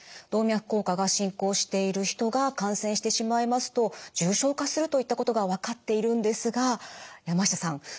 動脈硬化が進行している人が感染してしまいますと重症化するといったことが分かっているんですが山下さん